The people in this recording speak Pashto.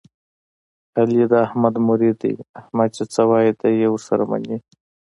علي د احمد مرید دی، احمد چې څه وایي دی یې ور سره مني.